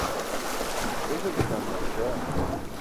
beśal dukaan ban ećaan?